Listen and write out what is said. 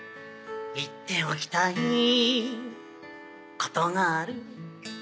「言っておきたい事がある」